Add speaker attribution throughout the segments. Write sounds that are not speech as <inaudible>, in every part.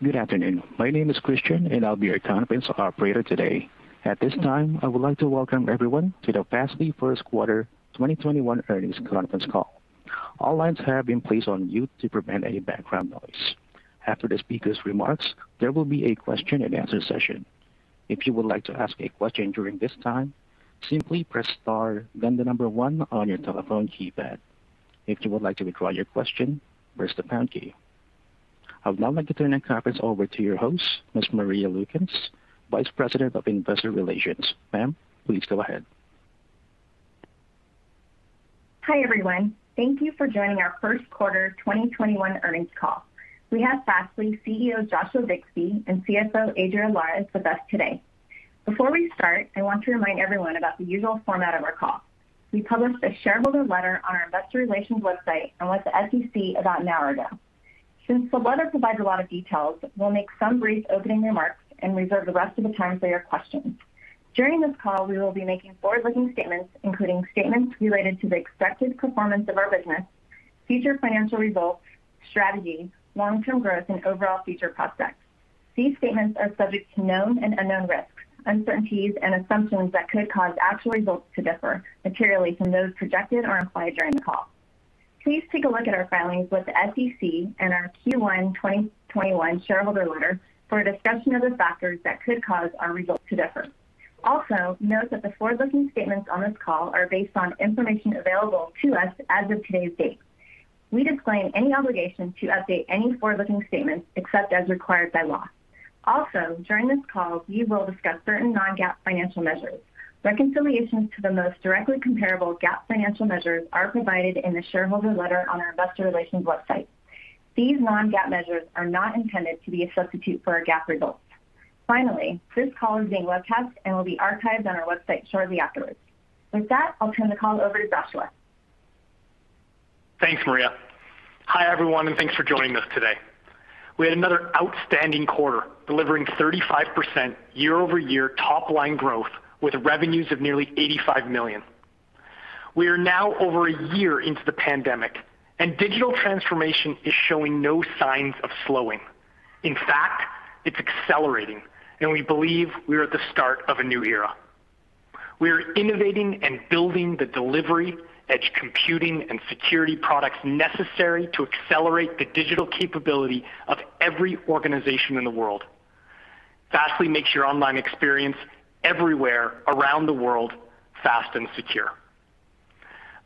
Speaker 1: Good afternoon. My name is Christian, and I'll be your conference operator today. At this time, I would like to welcome everyone to the Fastly first quarter 2021 earnings conference call. All lines have been placed on mute to prevent any background noise. After the speakers' remarks, there will be a question-and-answer session. If you would like to ask a question during this time, simply press star then the number one on your telephone keypad. If you would like to withdraw your question, press the pound key. I would now like to turn the conference over to your host, Ms. Maria Lukens, Vice President of Investor Relations. Ma'am, please go ahead.
Speaker 2: Hi, everyone. Thank you for joining our first quarter 2021 earnings call. We have Fastly CEO, Joshua Bixby, and CFO, Adriel Lares, with us today. Before we start, I want to remind everyone about the usual format of our call. We published a shareholder letter on our Investor Relations website and with the SEC about an hour ago. Since the letter provides a lot of details, we'll make some brief opening remarks and reserve the rest of the time for your questions. During this call, we will be making forward-looking statements, including statements related to the expected performance of our business, future financial results, strategy, long-term growth, and overall future prospects. These statements are subject to known and unknown risks, uncertainties, and assumptions that could cause actual results to differ materially from those projected or implied during the call. Please take a look at our filings with the SEC and our Q1 2021 shareholder letter for a discussion of the factors that could cause our results to differ. Also, note that the forward-looking statements on this call are based on information available to us as of today's date. We disclaim any obligation to update any forward-looking statements except as required by law. Also, during this call, we will discuss certain non-GAAP financial measures. Reconciliations to the most directly comparable GAAP financial measures are provided in the shareholder letter on our Investor Relations website. These non-GAAP measures are not intended to be a substitute for our GAAP results. Finally, this call is being webcast and will be archived on our website shortly afterwards. With that, I'll turn the call over to Joshua.
Speaker 3: Thanks, Maria. Hi, everyone, and thanks for joining us today. We had another outstanding quarter, delivering 35% year-over-year top-line growth with revenues of nearly $85 million. We are now over a year into the pandemic. Digital transformation is showing no signs of slowing. In fact, it's accelerating. We believe we are at the start of a new era. We are innovating and building the delivery, edge computing, and security products necessary to accelerate the digital capability of every organization in the world. Fastly makes your online experience everywhere around the world fast and secure.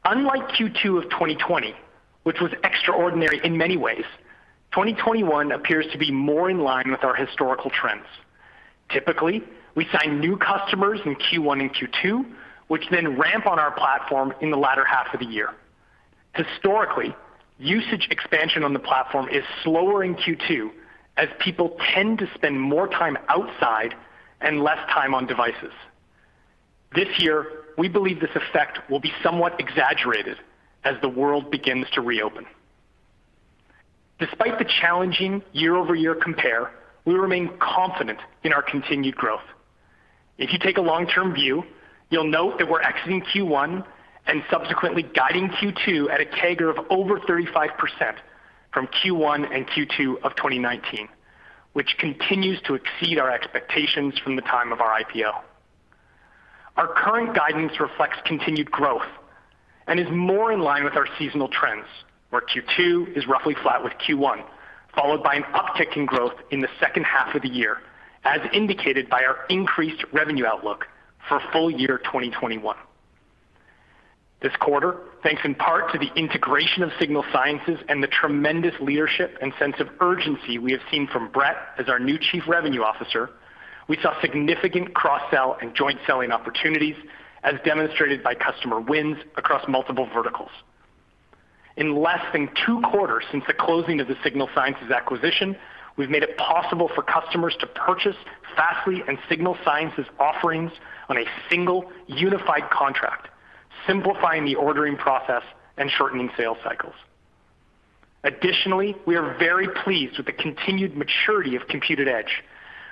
Speaker 3: Unlike Q2 of 2020, which was extraordinary in many ways, 2021 appears to be more in line with our historical trends. Typically, we sign new customers in Q1 and Q2, which then ramp on our platform in the latter half of the year. Historically, usage expansion on the platform is slower in Q2, as people tend to spend more time outside and less time on devices. This year, we believe this effect will be somewhat exaggerated as the world begins to reopen. Despite the challenging year-over-year compare, we remain confident in our continued growth. If you take a long-term view, you'll note that we're exiting Q1 and subsequently guiding Q2 at a CAGR of over 35% from Q1 and Q2 of 2019, which continues to exceed our expectations from the time of our IPO. Our current guidance reflects continued growth and is more in line with our seasonal trends, where Q2 is roughly flat with Q1, followed by an uptick in growth in the second half of the year, as indicated by our increased revenue outlook for full year 2021. This quarter, thanks in part to the integration of Signal Sciences and the tremendous leadership and sense of urgency we have seen from Brett as our new Chief Revenue Officer, we saw significant cross-sell and joint selling opportunities, as demonstrated by customer wins across multiple verticals. In less than two quarters since the closing of the Signal Sciences' acquisition, we've made it possible for customers to purchase Fastly and Signal Sciences' offerings on a single unified contract, simplifying the ordering process and shortening sales cycles. Additionally, we are very pleased with the continued maturity of Compute@Edge,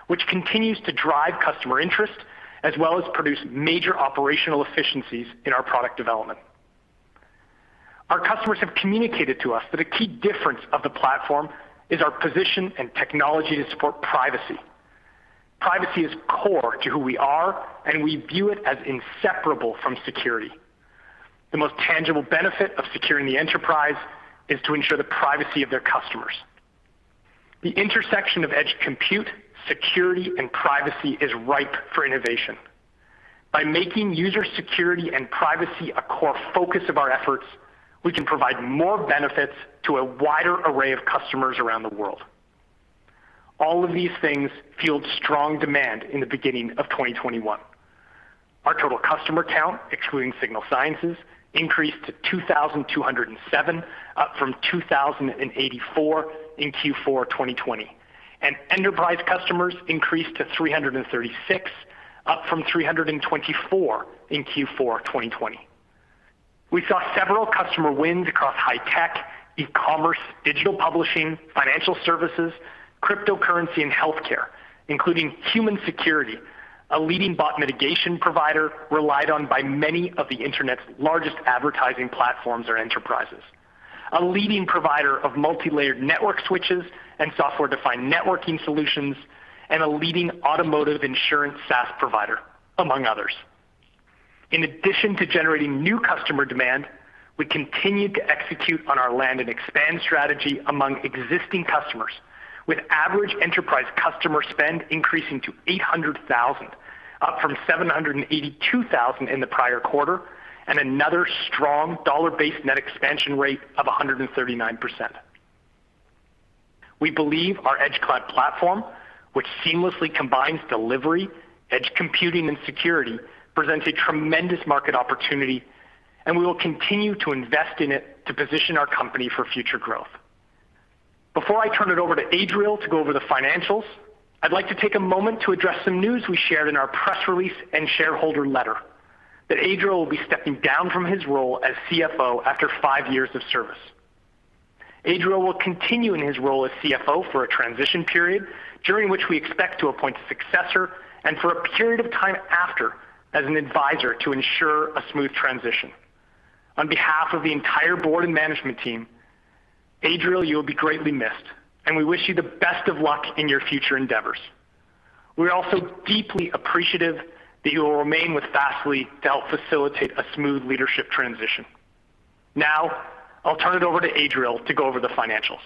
Speaker 3: which continues to drive customer interest, as well as produce major operational efficiencies in our product development. Our customers have communicated to us that a key difference of the platform is our position and technology to support privacy. Privacy is core to who we are, and we view it as inseparable from security. The most tangible benefit of securing the enterprise is to ensure the privacy of their customers. The intersection of edge compute, security, and privacy is ripe for innovation. By making user security and privacy a core focus of our efforts, we can provide more benefits to a wider array of customers around the world. All of these things fueled strong demand in the beginning of 2021. Our total customer count, excluding Signal Sciences, increased to 2,207, up from 2,084 in Q4 2020. Enterprise customers increased to 336, up from 324 in Q4 2020. We saw several customer wins across high tech, e-commerce, digital publishing, financial services, cryptocurrency, and healthcare, including HUMAN Security, a leading bot mitigation provider relied on by many of the internet's largest advertising platforms or enterprises, a leading provider of multi-layered network switches and software-defined networking solutions, and a leading automotive insurance SaaS provider, among others. In addition to generating new customer demand, we continued to execute on our land and expand strategy among existing customers, with average enterprise customer spend increasing to $800,000, up from $782,000 in the prior quarter, and another strong dollar-based net expansion rate of 139%. We believe our edge cloud platform, which seamlessly combines delivery, edge computing and security, presents a tremendous market opportunity, we will continue to invest in it to position our company for future growth. Before I turn it over to Adriel to go over the financials, I'd like to take a moment to address some news we shared in our press release and shareholder letter, that Adriel will be stepping down from his role as CFO after five years of service. Adriel will continue in his role as CFO for a transition period, during which we expect to appoint a successor, and for a period of time after, as an advisor to ensure a smooth transition. On behalf of the entire Board and management team, Adriel, you'll be greatly missed, and we wish you the best of luck in your future endeavors. We are also deeply appreciative that you will remain with Fastly to help facilitate a smooth leadership transition. Now, I'll turn it over to Adriel to go over the financials.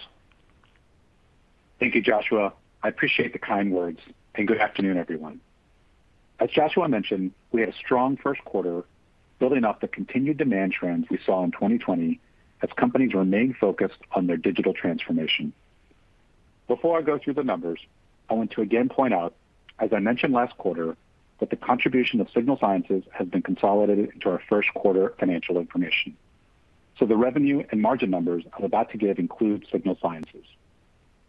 Speaker 4: Thank you, Joshua. I appreciate the kind words, and good afternoon, everyone. As Joshua mentioned, we had a strong first quarter building off the continued demand trends we saw in 2020 as companies remain focused on their digital transformation. Before I go through the numbers, I want to again point out, as I mentioned last quarter, that the contribution of Signal Sciences has been consolidated into our first quarter financial information. The revenue and margin numbers I'm about to give include Signal Sciences.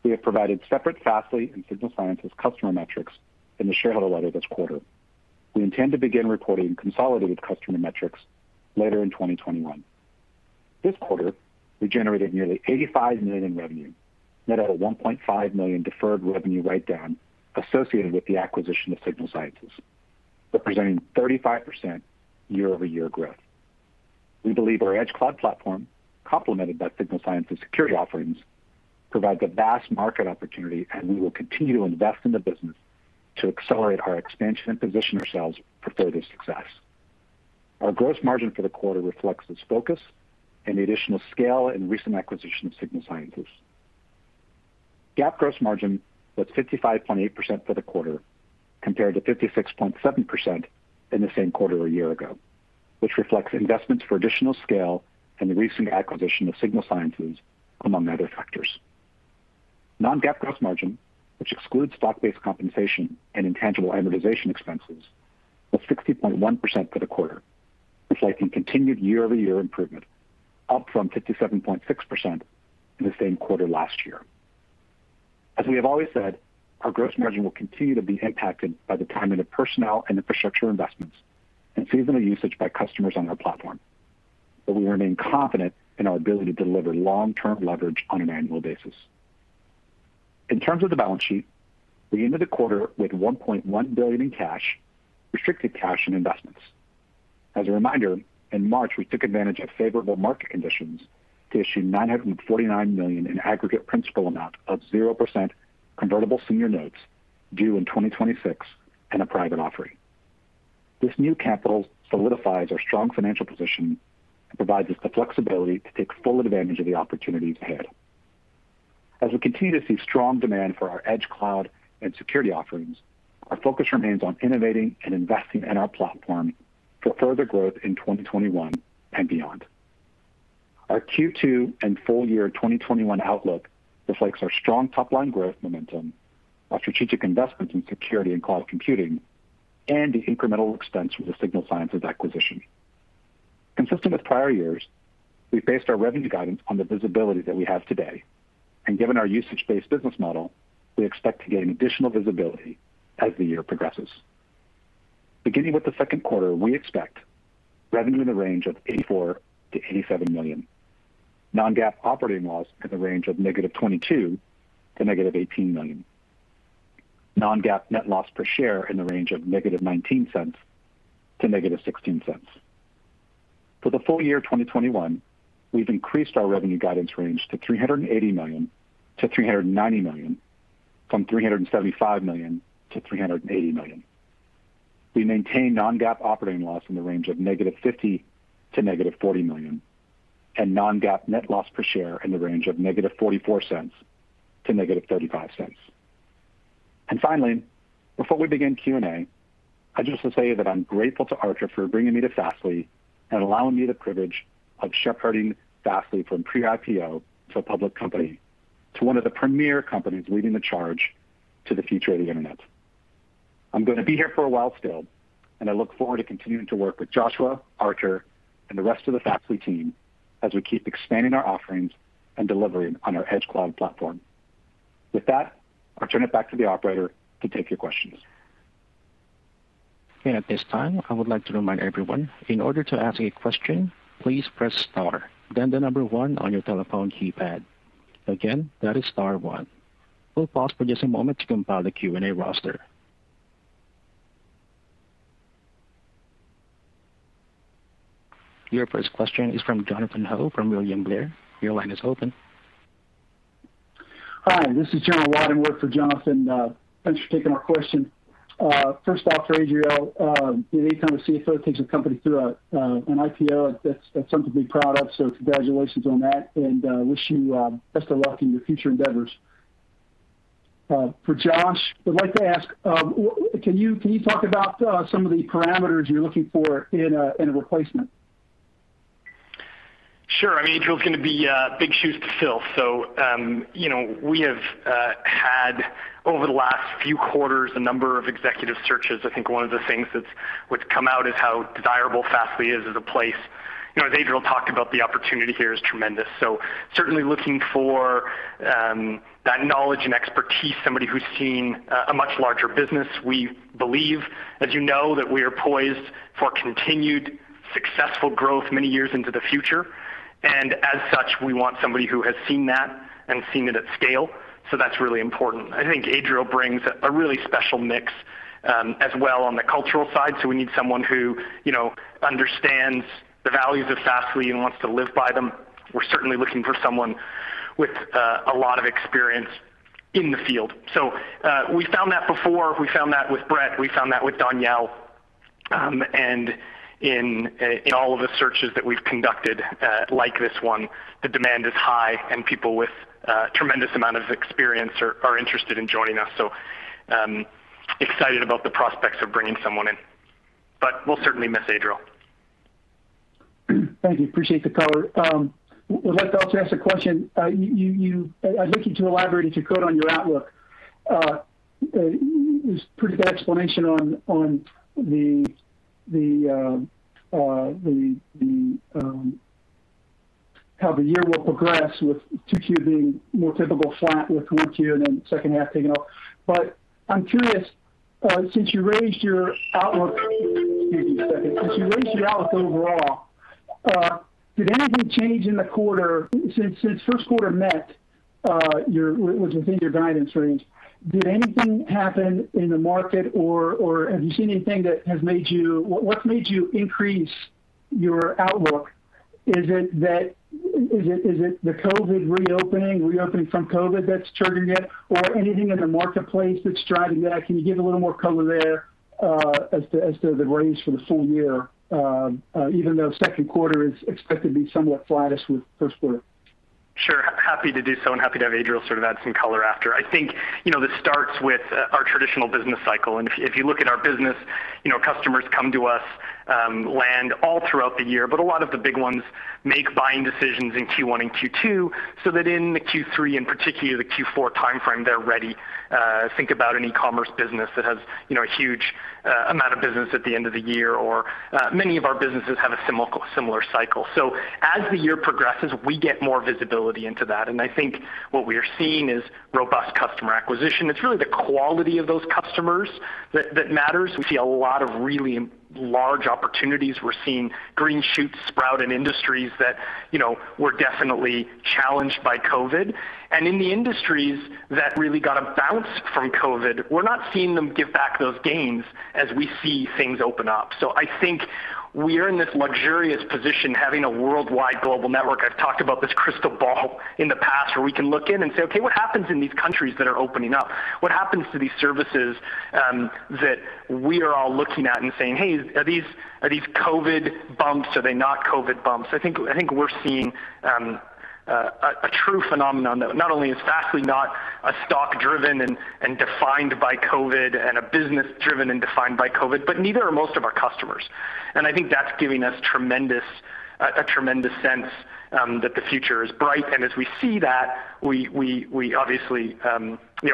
Speaker 4: We have provided separate Fastly and Signal Sciences customer metrics in the shareholder letter this quarter. We intend to begin reporting consolidated customer metrics later in 2021. This quarter, we generated nearly $85 million in revenue, net of a $1.5 million deferred revenue write-down associated with the acquisition of Signal Sciences, representing 35% year-over-year growth. We believe our edge cloud platform, complemented by Signal Sciences' security offerings, provide the vast market opportunity, and we will continue to invest in the business to accelerate our expansion and position ourselves for further success. Our gross margin for the quarter reflects this focus and the additional scale in recent acquisition of Signal Sciences. GAAP gross margin was 55.8% for the quarter, compared to 56.7% in the same quarter a year ago, which reflects investments for additional scale and the recent acquisition of Signal Sciences, among other factors. Non-GAAP gross margin, which excludes stock-based compensation and intangible amortization expenses, was 60.1% for the quarter, reflecting continued year-over-year improvement, up from 57.6% in the same quarter last year. As we have always said, our gross margin will continue to be impacted by the timing of personnel and infrastructure investments and seasonal usage by customers on our platform, but we remain confident in our ability to deliver long-term leverage on an annual basis. In terms of the balance sheet, we ended the quarter with $1.1 billion in cash, restricted cash, and investments. As a reminder, in March, we took advantage of favorable market conditions to issue $949 million in aggregate principal amount of 0% convertible senior notes due in 2026 in a private offering. This new capital solidifies our strong financial position and provides us the flexibility to take full advantage of the opportunities ahead. As we continue to see strong demand for our edge cloud and security offerings, our focus remains on innovating and investing in our platform for further growth in 2021 and beyond. Our Q2 and full-year 2021 outlook reflects our strong top-line growth momentum, our strategic investments in security and cloud computing, and the incremental expense with the Signal Sciences acquisition. Consistent with prior years, we based our revenue guidance on the visibility that we have today, and given our usage-based business model, we expect to gain additional visibility as the year progresses. Beginning with the second quarter, we expect revenue in the range of $84 million-$87 million, non-GAAP operating loss in the range of -$22 million to -$18 million, non-GAAP net loss per share in the range of -$0.19 to -$0.16. For the full year 2021, we've increased our revenue guidance range to $380 million-$390 million from $375 million-$380 million. We maintain non-GAAP operating loss in the range of -$50 million to -$40 million, and non-GAAP net loss per share in the range of -$0.44 to -$0.35. Finally, before we begin Q&A, I just want to say that I'm grateful to Artur for bringing me to Fastly and allowing me the privilege of shepherding Fastly from pre-IPO to a public company, to one of the premier companies leading the charge to the future of the internet. I'm going to be here for a while still, and I look forward to continuing to work with Joshua, Artur, and the rest of the Fastly team as we keep expanding our offerings and delivering on our edge cloud platform. With that, I'll turn it back to the operator to take your questions.
Speaker 1: At this time, I would like to remind everyone, in order to ask a question, please press star, then the number one on your telephone keypad. Again, that is star one. We'll pause for just a moment to compile the Q&A roster. Your first question is from Jonathan Ho from William Blair. Your line is open.
Speaker 5: Hi, this is John Weidemoyer with Jonathan. Thanks for taking our question. First off, for Adriel, any time a CFO takes a company through an IPO, that's something to be proud of, so congratulations on that, and wish you best of luck in your future endeavors. For Josh, would like to ask, can you talk about some of the parameters you're looking for in a replacement?
Speaker 3: Sure. Adriel's going to be big shoes to fill. We have had, over the last few quarters, a number of executive searches. I think one of the things that's come out is how desirable Fastly is as a place. As Adriel talked about, the opportunity here is tremendous. Certainly looking for that knowledge and expertise, somebody who's seen a much larger business. We believe, as you know, that we are poised for continued successful growth many years into the future. As such, we want somebody who has seen that and seen it at scale. That's really important. I think Adriel brings a really special mix as well on the cultural side. We need someone who understands the values of Fastly and wants to live by them. We're certainly looking for someone with a lot of experience in the field. We found that before, we found that with Brett, we found that with Danielle. In all of the searches that we've conducted like this one, the demand is high, and people with a tremendous amount of experience are interested in joining us. We are excited about the prospects of bringing someone in. We'll certainly miss Adriel.
Speaker 5: Thank you. Appreciate the color. Would like to also ask a question. I'd like you to elaborate as you go down on your outlook. It was a pretty good explanation on how the year will progress with Q2 being more typical flat with Q1 and then second half taking off. I'm curious, since you raised your outlook overall, did anything change in the quarter since first quarter met within your guidance range? Did anything happen in the market, or have you seen anything that has made you increase your outlook? Is it the COVID reopening from COVID that's triggering it, or anything in the marketplace that's driving that? Can you give a little more color there as to the range for the full year even though second quarter is expected to be somewhat flattest with first quarter?
Speaker 3: Sure. Happy to do so, and happy to have Adriel sort of add some color after. I think this starts with our traditional business cycle. If you look at our business, customers come to us, land all throughout the year. But a lot of the big ones make buying decisions in Q1 and Q2 so that in the Q3 and particularly the Q4 timeframe, they're ready. Think about an e-commerce business that has a huge amount of business at the end of the year, or many of our businesses have a similar cycle. As the year progresses, we get more visibility into that, and I think what we're seeing is robust customer acquisition. It's really the quality of those customers that matters. We see a lot of really large opportunities. We're seeing green shoots sprout in industries that were definitely challenged by COVID. In the industries that really got a bounce from COVID, we're not seeing them give back those gains as we see things open up. I think we are in this luxurious position having a worldwide global network. I've talked about this crystal ball in the past where we can look in and say, "Okay, what happens in these countries that are opening up? What happens to these services that we are all looking at and saying, 'Hey, are these COVID bumps? Are they not COVID bumps?'" I think we're seeing a true phenomenon that not only is Fastly not a stock-driven and defined by COVID, and a business driven and defined by COVID, but neither are most of our customers. I think that's giving us a tremendous sense that the future is bright. As we see that, we obviously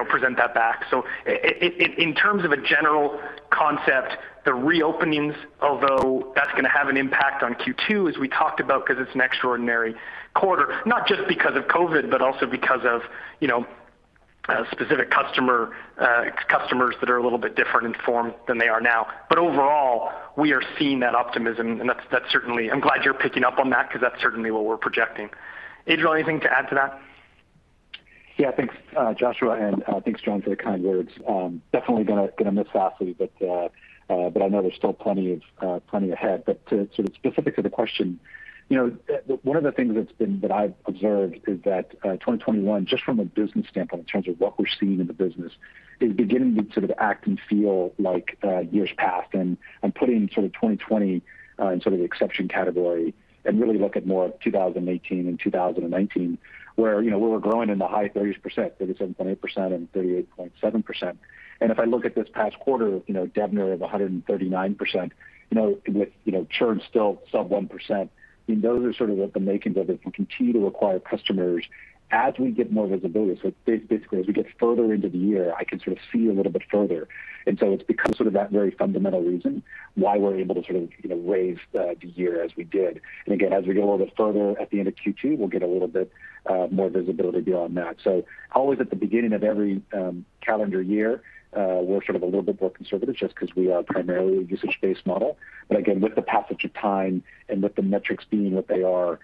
Speaker 3: present that back. In terms of a general concept, the reopenings, although that's going to have an impact on Q2, as we talked about, because it's an extraordinary quarter. Not just because of COVID, but also because of specific customers that are a little bit different in form than they are now. Overall, we are seeing that optimism, and that's certainly-- I'm glad you're picking up on that because that's certainly what we're projecting. Adriel, anything to add to that?
Speaker 4: Yeah. Thanks, Joshua. Thanks, John, for the kind words. Definitely going to miss Fastly, but I know there's still plenty ahead. To sort of specifically the question, one of the things that I've observed is that 2021, just from a business standpoint in terms of what we're seeing in the business, is beginning to sort of act and feel like years past, putting sort of 2020 in sort of the exception category and really look at more of 2018 and 2019, where we were growing in the high-30s percent, 37.8% and 38.7%. If I look at this past quarter, DBNER of 139% with churn still sub-1%, those are sort of the makings of if we continue to acquire customers as we get more visibility. Basically, as we get further into the year, I can sort of see a little bit further. It's become sort of that very fundamental reason why we're able to sort of raise the year as we did. Again, as we get a little bit further at the end of Q2, we'll get a little bit more visibility beyond that. Always at the beginning of every calendar year, we're sort of a little bit more conservative just because we are primarily a usage-based model. Again, with the passage of time and with the metrics being what they are,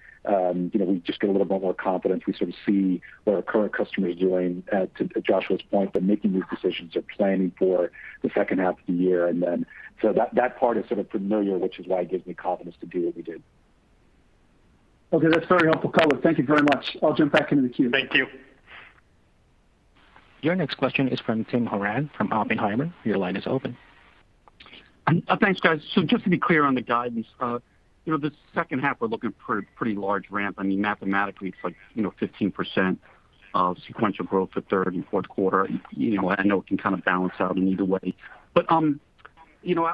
Speaker 4: we just get a little bit more confidence. We sort of see what our current customers doing. To Joshua's point, they're making these decisions or planning for the second half of the year. That part is sort of familiar, which is why it gives me confidence to do what we did.
Speaker 5: Okay, that's very helpful color. Thank you very much. I'll jump back into the queue.
Speaker 3: Thank you.
Speaker 1: Your next question is from Tim Horan from Oppenheimer. Your line is open.
Speaker 6: Thanks, guys. Just to be clear on the guidance, the second half we're looking for pretty large ramp. I mean, mathematically, it's 15% of sequential growth for third and fourth quarter. I know it can kind of balance out in either way.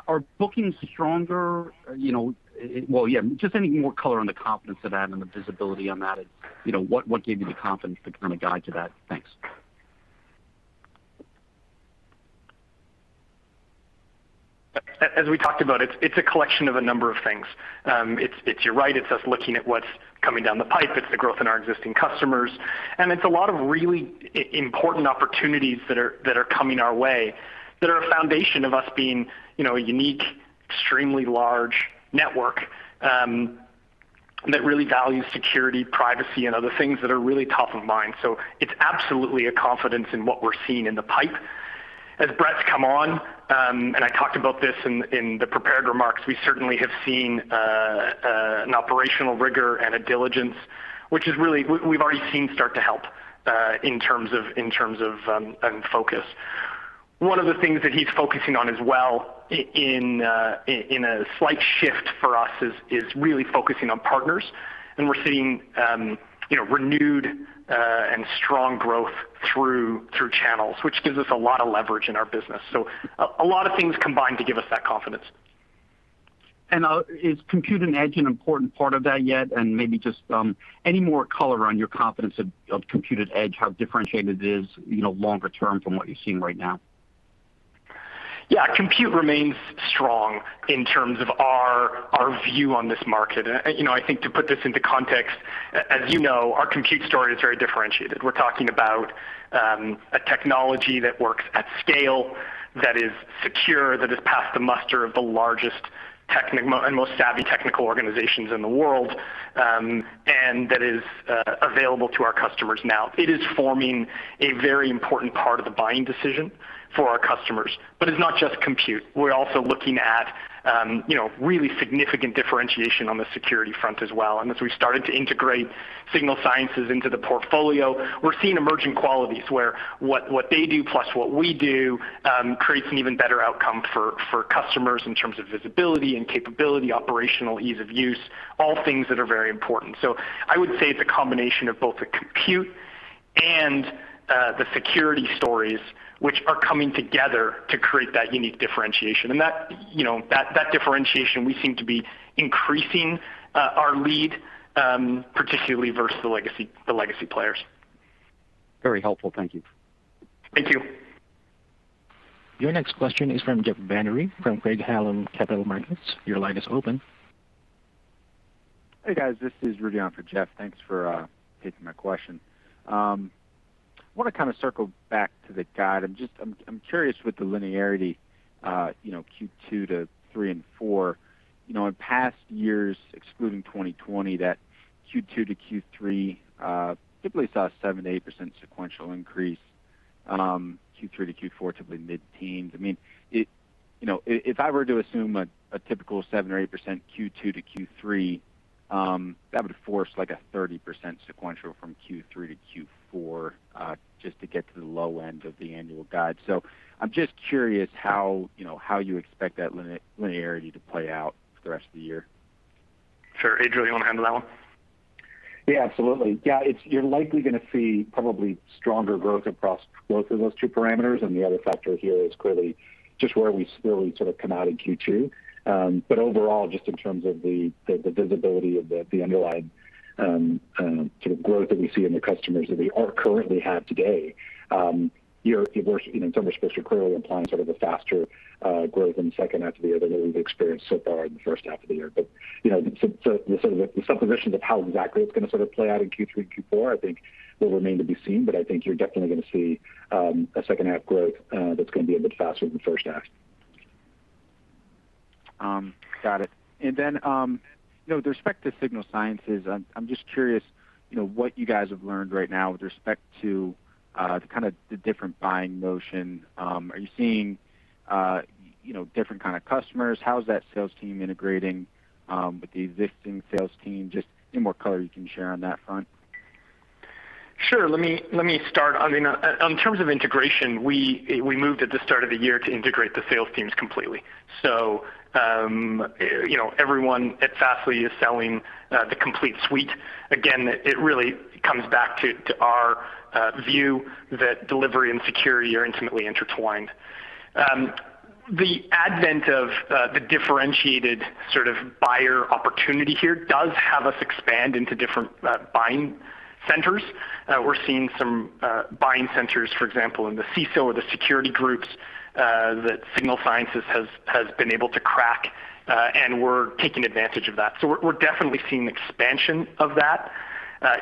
Speaker 6: Are bookings stronger? Well, yeah, just any more color on the confidence of that and the visibility on that. What gave you the confidence to kind of guide to that? Thanks.
Speaker 3: As we talked about, it's a collection of a number of things. You're right, it's us looking at what's coming down the pipe. It's the growth in our existing customers. It's a lot of really important opportunities that are coming our way that are a foundation of us being a unique, extremely large network that really values security, privacy, and other things that are really top of mind. It's absolutely a confidence in what we're seeing in the pipe. As Brett's come on, and I talked about this in the prepared remarks, we certainly have seen an operational rigor and a diligence, which we've already seen start to help in terms of focus. One of the things that he's focusing on as well, in a slight shift for us, is really focusing on partners. We're seeing renewed and strong growth through channels, which gives us a lot of leverage in our business. A lot of things combined to give us that confidence.
Speaker 6: Is Compute@Edge an important part of that yet? Maybe just any more color on your confidence of Compute@Edge, how differentiated it is longer term from what you're seeing right now?
Speaker 3: Yeah. Compute remains strong in terms of our view on this market. I think to put this into context, as you know, our Compute story is very differentiated. We're talking about a technology that works at scale, that is secure, that has passed the muster of the largest and most savvy technical organizations in the world, and that is available to our customers now. It is forming a very important part of the buying decision for our customers. It's not just Compute. We're also looking at really significant differentiation on the security front as well. As we started to integrate Signal Sciences into the portfolio, we're seeing emerging qualities where what they do plus what we do creates an even better outcome for customers in terms of visibility and capability, operational ease of use, all things that are very important. I would say it's a combination of both the compute and the security stories, which are coming together to create that unique differentiation. That differentiation we seem to be increasing our lead, particularly versus the legacy players.
Speaker 6: Very helpful. Thank you.
Speaker 3: Thank you.
Speaker 1: Your next question is from Jeff Van Rhee from Craig-Hallum Capital Markets. Your line is open.
Speaker 7: Hey, guys. This is Rudy on for Jeff. Thanks for taking my question. I want to kind of circle back to the guide. I'm curious with the linearity Q2 to Q3 and Q4. In past years, excluding 2020, that Q2 to Q3 typically saw a 7%-8% sequential increase. Q3 to Q4, typically mid-teens. I mean, if I were to assume a typical 7% or 8% Q2 to Q3, that would force like a 30% sequential from Q3 to Q4, just to get to the low end of the annual guide. I'm just curious how you expect that linearity to play out for the rest of the year?
Speaker 3: Sure. Adriel, you want to handle that one?
Speaker 4: Absolutely. You're likely going to see probably stronger growth across both of those two parameters, and the other factor here is clearly just where we still need to sort of come out in Q2. Overall, just in terms of the visibility of the underlying sort of growth that we see in the customers that we currently have today, in some respects, you're clearly implying sort of a faster growth in the second half of the year than what we've experienced so far in the first half of the year. The sort of the supposition of how exactly it's going to sort of play out in Q3 and Q4, I think, will remain to be seen. I think you're definitely going to see a second half growth that's going to be a bit faster than the first half.
Speaker 7: Got it. Then with respect to Signal Sciences, I'm just curious what you guys have learned right now with respect to the kind of the different buying motion. Are you seeing different kind of customers? How is that sales team integrating with the existing sales team? Just any more color you can share on that front.
Speaker 3: Sure. Let me start. In terms of integration, we moved at the start of the year to integrate the sales teams completely. Everyone at Fastly is selling the complete suite. Again, it really comes back to our view that delivery and security are intimately intertwined. The advent of the differentiated sort of buyer opportunity here does have us expand into different buying centers. We're seeing some buying centers, for example, in the CISO or the security groups that Signal Sciences has been able to crack, and we're taking advantage of that. We're definitely seeing expansion of that.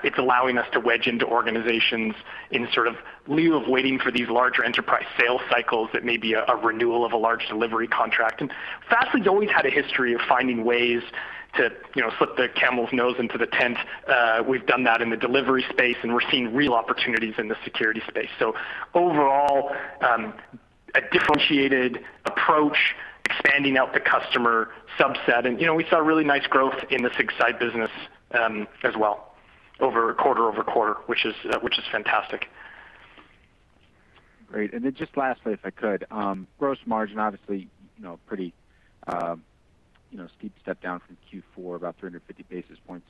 Speaker 3: It's allowing us to wedge into organizations in sort of lieu of waiting for these larger enterprise sales cycles that may be a renewal of a large delivery contract. Fastly's always had a history of finding ways to slip the camel's nose into the tent. We've done that in the delivery space, and we're seeing real opportunities in the security space. Overall, a differentiated approach, expanding out the customer subset. We saw really nice growth in the SigSci business as well, quarter-over-quarter, which is fantastic.
Speaker 7: Great. Just lastly, if I could. Gross margin, obviously, pretty steep step down from Q4, about 350 basis points.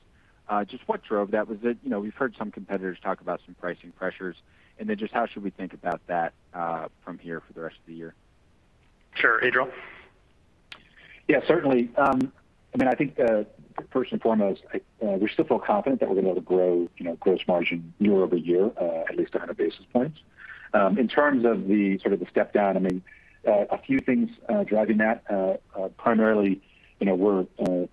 Speaker 7: Just what drove that? We've heard some competitors talk about some pricing pressures, and then just how should we think about that from here for the rest of the year?
Speaker 3: Sure. Adriel?
Speaker 4: Certainly. I think first and foremost, we still feel confident that we're going to be able to grow gross margin year-over-year, at least 100 basis points. In terms of the step down, a few things driving that. Primarily, we're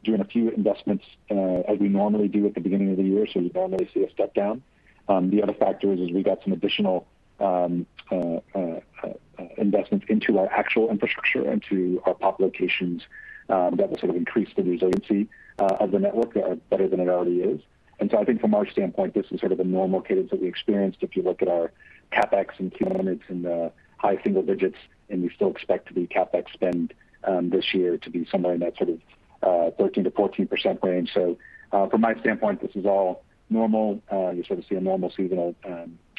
Speaker 4: doing a few investments as we normally do at the beginning of the year, so we normally see a step down. The other factor is, we got some additional investments into our actual infrastructure, into our POP locations, that will sort of increase the resiliency of the network, better than it already is. I think from our standpoint, this is sort of a normal cadence that we experienced. If you look at our CapEx in Q1, it's in the high single digits, and we still expect the CapEx spend this year to be somewhere in that sort of 13%-14% range. From my standpoint, this is all normal. You sort of see a normal seasonal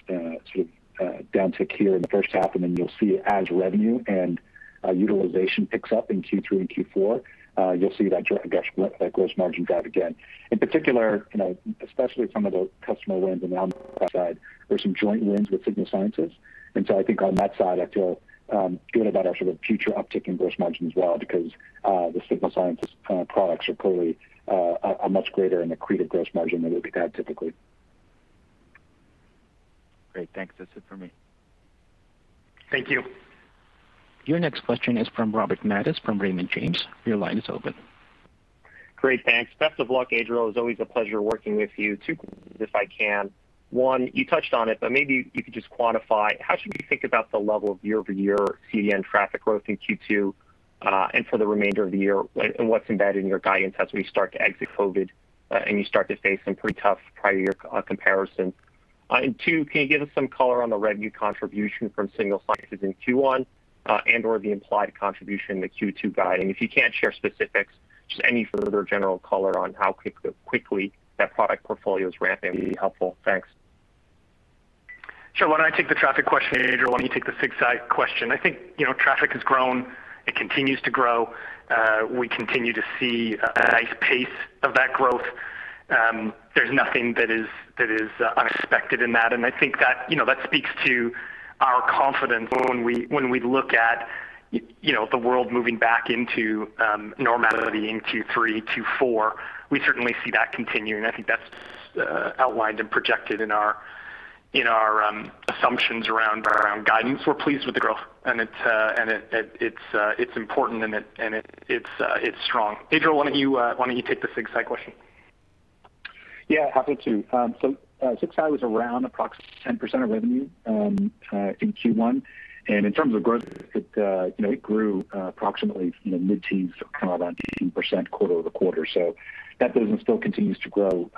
Speaker 4: downtick here in the first half, and then you'll see as revenue and utilization picks up in Q3 and Q4. You'll see that gross margin drive again. In particular, especially some of the customer wins on the side, there's some joint wins with Signal Sciences. I think on that side, I feel good about our sort of future uptick in gross margin as well because the Signal Sciences products are clearly a much greater and accretive gross margin than we've had typically.
Speaker 7: Great. Thanks. That's it for me.
Speaker 3: Thank you.
Speaker 1: Your next question is from Robert Majek from Raymond James. Your line is open.
Speaker 8: Great, thanks. Best of luck, Adriel. It's always a pleasure working with you. Two questions if I can. One, you touched on it. But maybe you could just quantify, how should we think about the level of year-over-year CDN traffic growth in Q2, and for the remainder of the year,? What's embedded in your guidance as we start to exit COVID, and you start to face some pretty tough prior year comparisons? Two, can you give us some color on the revenue contribution from Signal Sciences in Q1, and/or the implied contribution in the Q2 guide? If you can't share specifics, just any further general color on how quickly that product portfolio is ramping would be helpful. Thanks.
Speaker 3: Sure. Why don't I take the traffic question, Adriel, why don't you take the SigSci question? I think traffic has grown. It continues to grow. We continue to see a nice pace of that growth. There's nothing that is unexpected in that, and I think that speaks to our confidence when we look at the world moving back into normality in Q3, Q4. We certainly see that continuing. I think that's outlined and projected in our assumptions around guidance. We're pleased with the growth and it's important and it's strong. Adriel, why don't you take the SigSci question?
Speaker 4: Yeah, happy to. SigSci was around approx 10% of revenue in Q1. In terms of growth, it grew approximately mid-teens to call it around 15% quarter-over-quarter. That business still continues to grow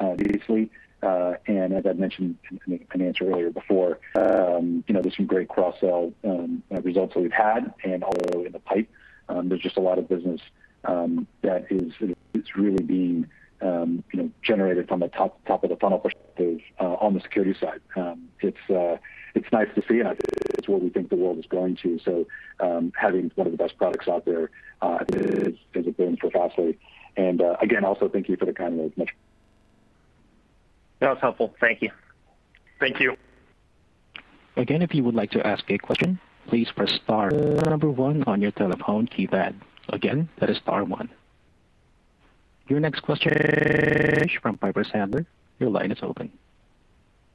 Speaker 4: vigorously. As I'd mentioned in an answer earlier before, there's some great cross-sell results that we've had and all the way in the pipe. There's just a lot of business that is really being generated from a top of the funnel perspective on the security side. It's nice to see and it's where we think the world is going to. Having one of the best products out there is a boon for Fastly. Again, also thank you for the kind words.
Speaker 8: That was helpful. Thank you.
Speaker 3: Thank you.
Speaker 1: If you would like to ask a question, please press star then the number one in your telephone keypad. Again, that is star one. Your next question is <audio distortion> from Piper Sandler. Your line is open.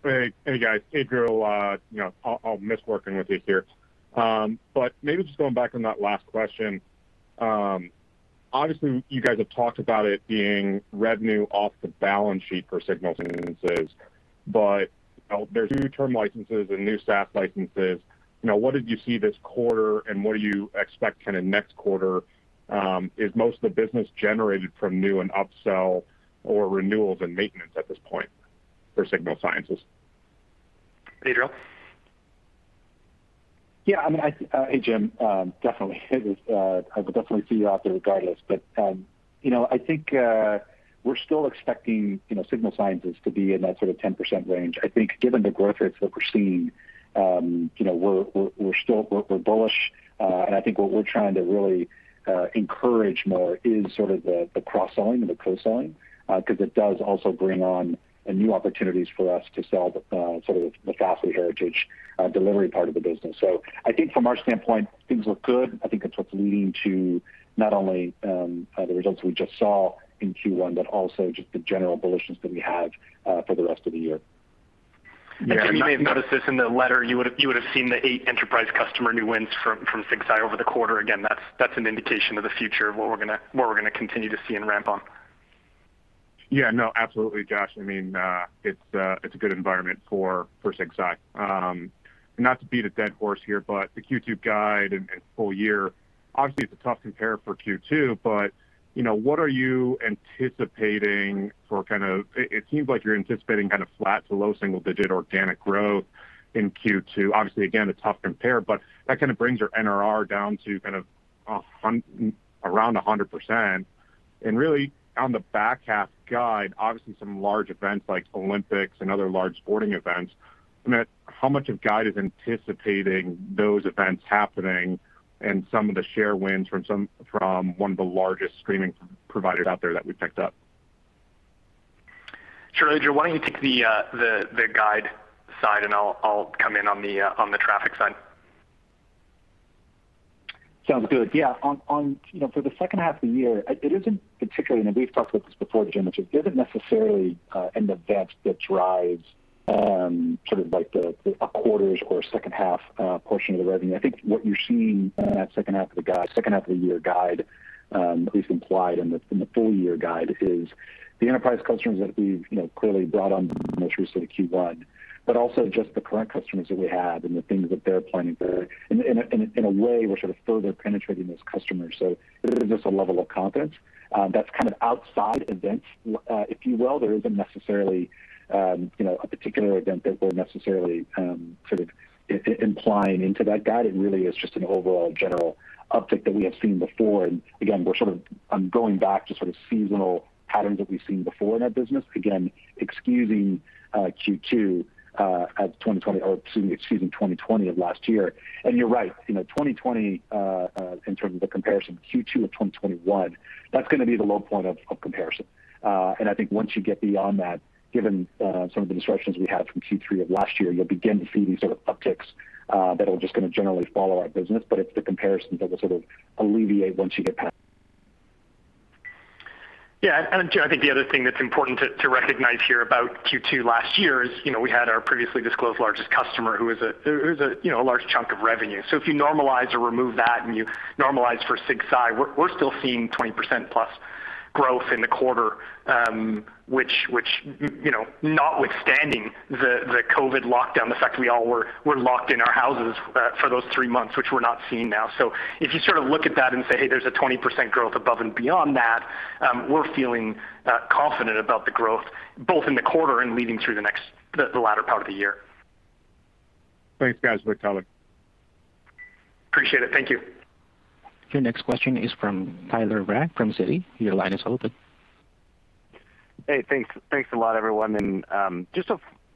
Speaker 9: Hey, guys. Adriel, I'll miss working with you here. Maybe just going back on that last question. Obviously, you guys have talked about it being revenue off the balance sheet for Signal Sciences, but there's new term licenses and new SaaS licenses. What did you see this quarter, and what do you expect kind of next quarter? Is most of the business generated from new and upsell or renewals and maintenance at this point for Signal Sciences?
Speaker 3: Adriel?
Speaker 4: Yeah. Hey, Jim. Definitely. I will definitely see you out there regardless, but, I think, we're still expecting Signal Sciences to be in that sort of 10% range. I think given the growth rates that we're seeing, we're bullish. I think what we're trying to really encourage more is sort of the cross-selling or the co-selling, because it does also bring on new opportunities for us to sell the Fastly heritage delivery part of the business. I think from our standpoint, things look good. I think that's what's leading to not only the results we just saw in Q1, but also just the general bullishness that we have for the rest of the year.
Speaker 3: Jim, you may have noticed this in the letter. You would've seen the eight enterprise customer new wins from SigSci over the quarter. Again, that's an indication of the future of what we're going to continue to see and ramp on.
Speaker 9: Yeah, no, absolutely, Joshua. It's a good environment for SigSci. Not to beat a dead horse here, the Q2 guide and full year, obviously it's a tough compare for Q2. What are you anticipating for kind of It seems like you're anticipating kind of flat to low single-digit organic growth in Q2. Obviously, again, a tough compare, that kind of brings your NRR down to kind of around 100%. Really on the back half guide, obviously some large events like Olympics and other large sporting events. I meant how much of guide is anticipating those events happening and some of the share wins from one of the largest streaming providers out there that we picked up?
Speaker 3: Sure. Adriel, why don't you take the guide side, and I'll come in on the traffic side.
Speaker 4: Sounds good. Yeah. For the second half of the year, it isn't particularly, and we've talked about this before, Jim, which it isn't necessarily an event that drives sort of the quarters or second half portion of the revenue. I think what you're seeing in that second half of the year guide, at least implied in the full year guide, is the enterprise customers that we've clearly brought on most recently, Q1, but also just the current customers that we have and the things that they're planning. In a way, we're sort of further penetrating those customers. There is just a level of confidence that's kind of outside events, if you will. There isn't necessarily a particular event that we're necessarily sort of implying into that guide. It really is just an overall general uptick that we have seen before. Again, we're sort of going back to sort of seasonal patterns that we've seen before in our business. Again, excusing Q2 of 2020, or excuse me, 2020 of last year. You're right, 2020, in terms of the comparison, Q2 of 2021, that's going to be the low point of comparison. I think once you get beyond that, given some of the disruptions we had from Q3 of last year, you'll begin to see these sort of upticks that are just going to generally follow our business. It's the comparison that will sort of alleviate once you get past.
Speaker 3: Jim, I think the other thing that's important to recognize here about Q2 last year is we had our previously disclosed largest customer who's a large chunk of revenue. If you normalize or remove that and you normalize for SigSci, we're still seeing 20%+ growth in the quarter, notwithstanding the COVID lockdown. The fact that we all were locked in our houses for those three months, which we're not seeing now. If you sort of look at that and say, "Hey, there's a 20% growth above and beyond that," we're feeling confident about the growth, both in the quarter and leading through the latter part of the year.
Speaker 9: Thanks, guys, for the color.
Speaker 3: Appreciate it. Thank you.
Speaker 1: Your next question is from Tyler Radke from Citi. Your line is open.
Speaker 10: Hey, thanks a lot, everyone.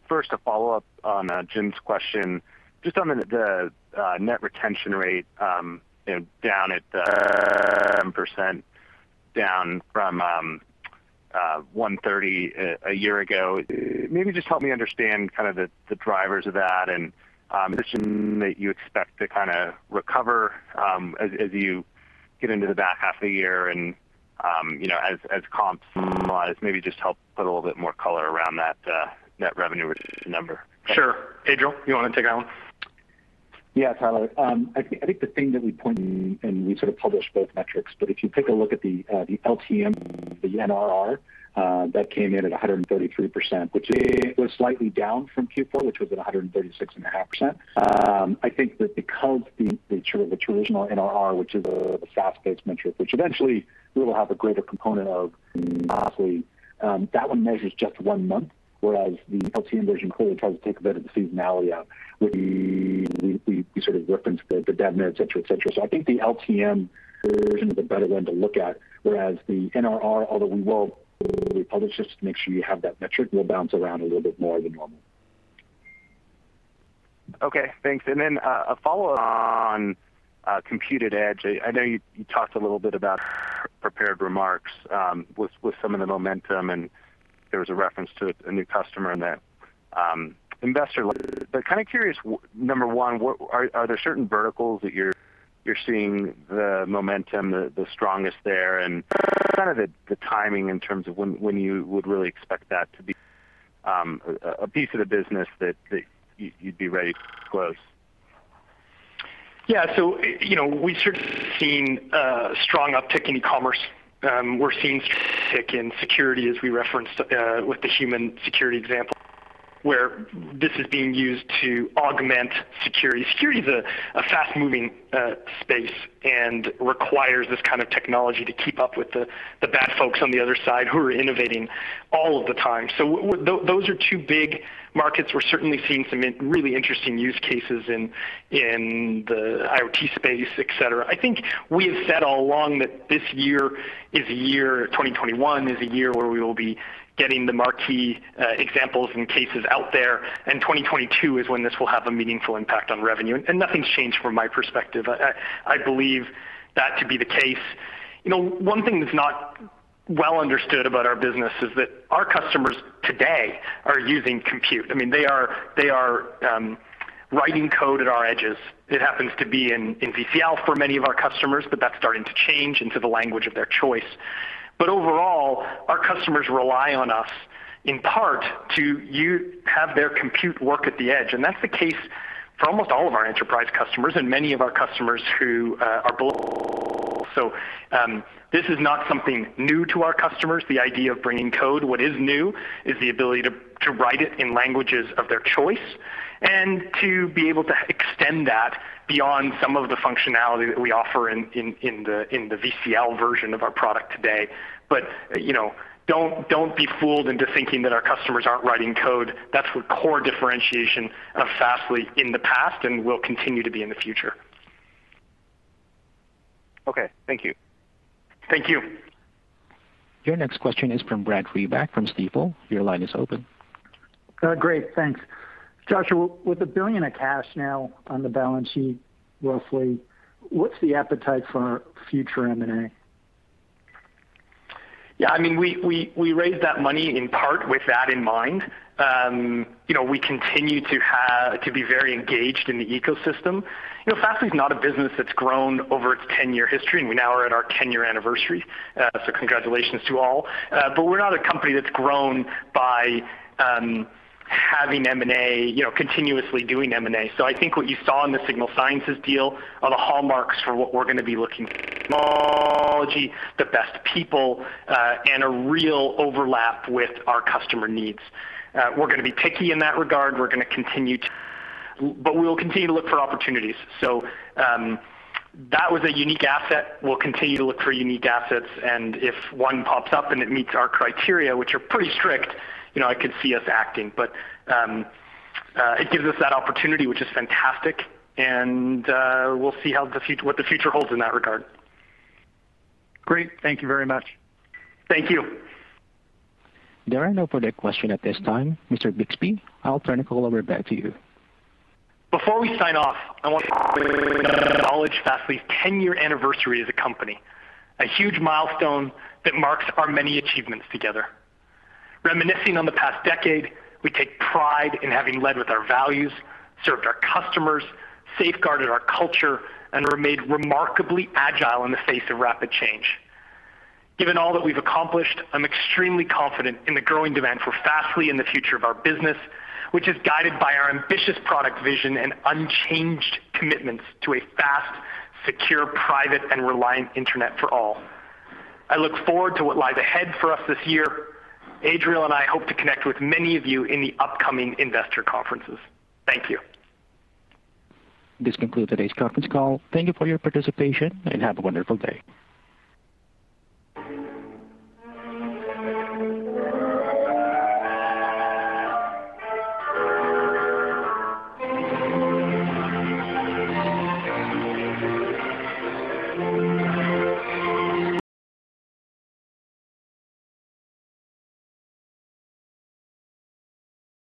Speaker 10: First a follow-up on Jim's question. Just on the net retention rate, down at <audio distortion> percent, down from 130% a year ago. Maybe just help me understand kind of the drivers of that and that you expect to recover as you get into the back half of the year and, as comps, <audio distortion> maybe just help put a little bit more color around that net revenue number?
Speaker 3: Sure. Adriel, you want to take that one?
Speaker 4: Yeah, Tyler. I think the thing that we point, and we sort of publish both metrics, but if you take a look at the LTM, the NRR, that came in at 133%, which was slightly down from Q4, which was at 136.5%. I think that because the sort of the traditional NRR, which is a SaaS-based metric, which eventually we will have a greater component of Fastly. That one measures just one month, whereas the LTM version clearly tries to take a bit of the seasonality out with the, we sort of reference the DBNER, et cetera. I think the LTM version is a better one to look at, whereas the NRR, although we will publish just to make sure you have that metric, will bounce around a little bit more than normal.
Speaker 10: Okay, thanks. A follow-up on Compute@Edge. I know you talked a little bit about <audio distortion> prepared remarks with some of the momentum, and there was a reference to a new customer in that investor letter. But kind of curious, number one, are there certain verticals that you're seeing the momentum the strongest there? <audio distortion> kind of the timing in terms of when you would really expect that to be a piece of the business that you'd be ready to disclose?
Speaker 3: Yeah. We've certainly seen a strong uptick in e-commerce. We're seeing uptick in security as we referenced with the HUMAN Security example, where this is being used to augment security. Security is a fast-moving space and requires this kind of technology to keep up with the bad folks on the other side who are innovating all of the time. Those are two big markets. We're certainly seeing some really interesting use cases in the IoT space, et cetera. I think we have said all along that this year is a year, 2021, is a year where we will be getting the marquee examples and cases out there. 2022 is when this will have a meaningful impact on revenue. Nothing's changed from my perspective. I believe that to be the case. One thing that's not well understood about our business is that our customers today are using Compute. I mean, they are writing code at our edges. It happens to be in VCL for many of our customers, that's starting to change into the language of their choice. Overall, our customers rely on us in part to have their Compute work at the edge. That's the case for almost all of our enterprise customers and many of our customers who are. <audio distortion> This is not something new to our customers, the idea of bringing code. What is new is the ability to write it in languages of their choice and to be able to extend that beyond some of the functionality that we offer in the VCL version of our product today. Don't be fooled into thinking that our customers aren't writing code. That's the core differentiation of Fastly in the past and will continue to be in the future.
Speaker 10: Okay. Thank you.
Speaker 3: Thank you.
Speaker 1: Your next question is from Brad Reback from Stifel. Your line is open.
Speaker 11: Great. Thanks. Joshua, with $1 billion of cash now on the balance sheet, roughly, what's the appetite for future M&A?
Speaker 3: Yeah, we raised that money in part with that in mind. We continue to be very engaged in the ecosystem. Fastly is not a business that's grown over its 10-year history. We now are at our 10-year anniversary, so congratulations to all. We're not a company that's grown by continuously doing M&A. I think what you saw in the Signal Sciences deal are the hallmarks for what we're going to be looking <audio distortion> the best people, and a real overlap with our customer needs. We're going to be picky in that regard. We will continue to look for opportunities. That was a unique asset. We'll continue to look for unique assets, and if one pops up and it meets our criteria, which are pretty strict, I could see us acting. It gives us that opportunity, which is fantastic, and we'll see what the future holds in that regard.
Speaker 11: Great. Thank you very much.
Speaker 3: Thank you.
Speaker 1: There are no further questions at this time, Mr. Bixby. I'll turn the call over back to you.
Speaker 3: Before we sign off, I want to <audio distortion> acknowledge Fastly's 10-year anniversary as a company, a huge milestone that marks our many achievements together. Reminiscing on the past decade, we take pride in having led with our values, served our customers, safeguarded our culture, and remained remarkably agile in the face of rapid change. Given all that we've accomplished, I'm extremely confident in the growing demand for Fastly and the future of our business, which is guided by our ambitious product vision and unchanged commitments to a fast, secure, private, and reliant internet for all. I look forward to what lies ahead for us this year. Adriel and I hope to connect with many of you in the upcoming investor conferences. Thank you.
Speaker 1: This concludes today's conference call. Thank you for your participation, and have a wonderful day.